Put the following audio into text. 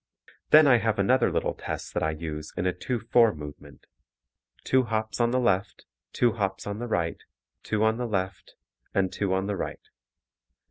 Then I have another little test that I use in a 2 4 movement. Two hops on the left, two hops on the right, two on the left and two on the right.